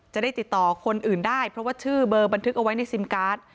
จะได้ติดต่อคนอื่นได้เพราะว่าชื่อเบอร์บันทึกเอาไว้ในซิมการ์ด